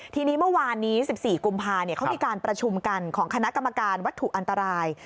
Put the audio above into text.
ทีนี้เมื่อวานนี้๑๔กุมภาเขามีการประชุมกันของคณะกรรมการวัตถุอันตราย